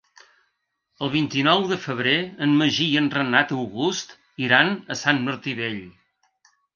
El vint-i-nou de febrer en Magí i en Renat August iran a Sant Martí Vell.